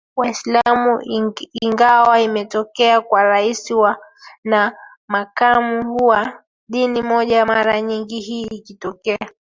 Waislamu ingawa imetokea kwa Rais na Makamu kuwa dini moja mara nyingi hii ikitokea